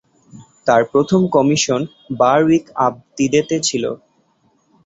তার প্রথম কমিশন বারউইক-আপ-তিদেতে ছিল।